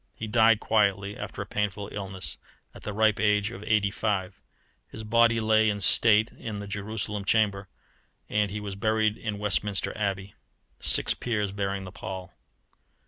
He died quietly, after a painful illness, at the ripe age of eighty five. His body lay in state in the Jerusalem Chamber, and he was buried in Westminster Abbey, six peers bearing the pall.